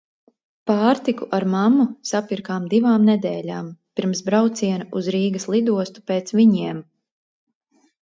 Pārtiku ar mammu sapirkām divām nedēļām pirms brauciena uz Rīgas lidostu pēc viņiem.